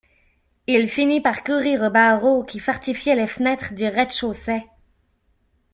Il finit par courir aux barreaux qui fortifiaient les fenêtres du rez-de-chaussée.